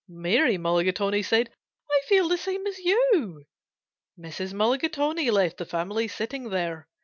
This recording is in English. Mary Mulligatawny said, "I feel the same as you." Mrs. Mulligatawny left the family sitting there.